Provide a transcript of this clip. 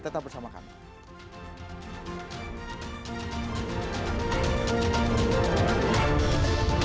tetap bersama kami